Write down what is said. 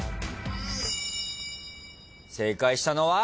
正解したのは？